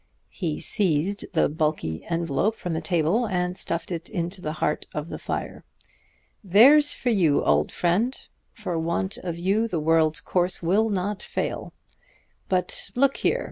He seized the bulky envelop from the table, and stuffed it into the heart of the fire. "There's for you, old friend! For want of you the world's course will not fail. But look here!